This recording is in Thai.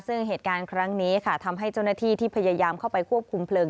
ซึ่งเหตุการณ์ครั้งนี้ค่ะทำให้เจ้าหน้าที่ที่พยายามเข้าไปควบคุมเลิง